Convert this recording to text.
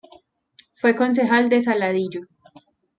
Fue concejal de Saladillo.